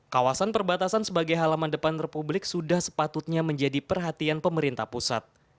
kawasan perbatasan sebagai halaman depan republik sudah sepatutnya menjadi perhatian pemerintah pusat